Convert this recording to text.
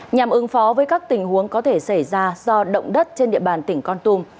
nhằm ứng phó với các tình huống có thể xảy ra do động đất trên địa bàn tỉnh con tum